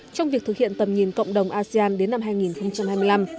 trong việc thực hiện tầm nhìn cộng đồng asean đến năm hai nghìn hai mươi năm